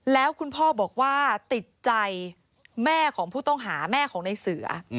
แล้วคุณพ่อบอกว่าติดใจแม่ของผู้ต้องหาแม่ของในเสือ